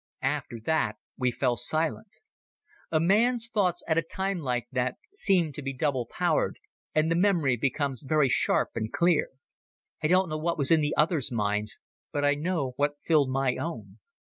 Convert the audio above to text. After that we fell silent. A man's thoughts at a time like that seem to be double powered, and the memory becomes very sharp and clear. I don't know what was in the others' minds, but I know what filled my own...